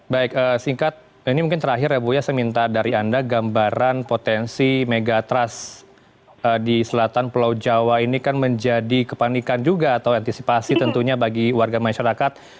baik singkat ini mungkin terakhir ya bu ya saya minta dari anda gambaran potensi megatrust di selatan pulau jawa ini kan menjadi kepanikan juga atau antisipasi tentunya bagi warga masyarakat